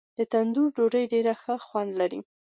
د تندور ډوډۍ ډېر ښه خوند لري.